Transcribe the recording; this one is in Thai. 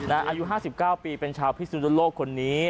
อายุ๕๙ปีเป็นชาวพิสุนโลกคนนี้